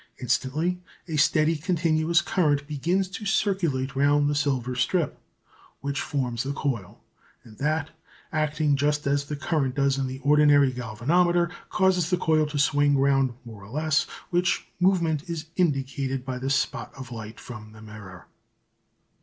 Instantly a steady, continuous current begins to circulate round the silver strip which forms the coil, and that, acting just as the current does in the ordinary galvanometer, causes the coil to swing round more or less, which movement is indicated by the spot of light from the mirror.